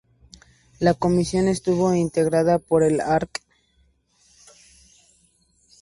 La Comisión estuvo integrada por el Arq.